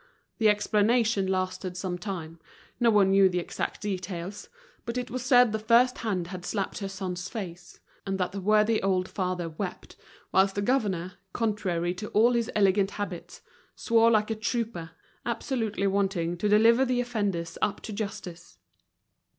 The explanation lasted some time, no one knew the exact details; but it was said the firsthand had slapped her son's face, and that the worthy old father wept, whilst the governor, contrary to all his elegant habits, swore like a trooper, absolutely wanting to deliver the offenders up to justice.